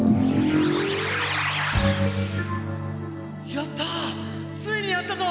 やったぁついにやったぞ！